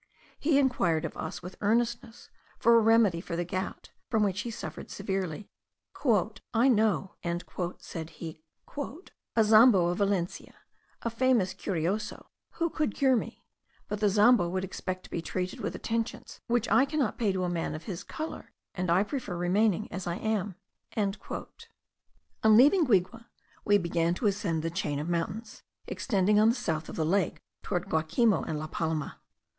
He inquired of us with earnestness for a remedy for the gout, from which he suffered severely. "I know," said he, "a Zambo of Valencia, a famous curioso, who could cure me; but the Zambo would expect to be treated with attentions which I cannot pay to a man of his colour, and I prefer remaining as I am." On leaving Guigue we began to ascend the chain of mountains, extending on the south of the lake towards Guacimo and La Palma.